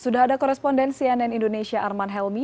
sudah ada korespondensi ann indonesia arman helmi